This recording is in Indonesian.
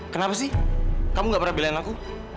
kenapa sih kamu gak pernah pilihanku